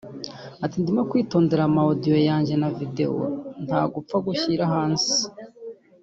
Ati “ Ndimo kwitondera ama audio yanjye na video nta gupfa gushyira hanze